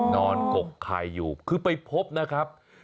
กกไข่อยู่คือไปพบนะครับ